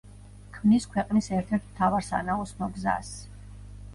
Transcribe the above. ქმნის ქვეყნის ერთ-ერთ მთავარ სანაოსნო გზას.